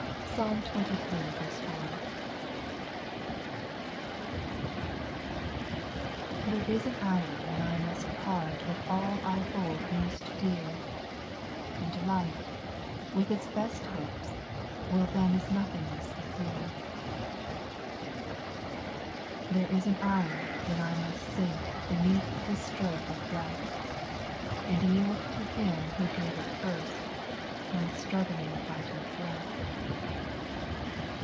Psalm xxiii. 4. 1. rjlHERE is an hour when I must part JL With all I hold most dear ; And life, with its best hopes, will then As nothingness appear. 2. There is an hour when I must sink Beneath the stroke of death ; And yield to Him who gave it first, My struggling vital breath.